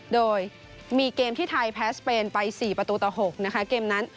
โดยมีเกมที่ไทยแพ้สเปนไป๔ประตูต่อ๖นะคะเกมนั้น